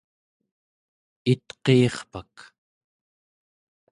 itqiirpak